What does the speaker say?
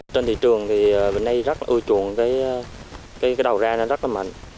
trên thị trường thì bên đây rất là ưa chuộng cái đầu ra nó rất là mạnh